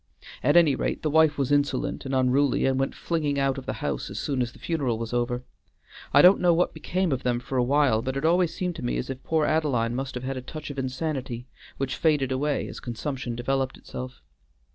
At any rate the wife was insolent and unruly, and went flinging out of the house as soon as the funeral was over. I don't know what became of them for a while, but it always seemed to me as if poor Adeline must have had a touch of insanity, which faded away as consumption developed itself.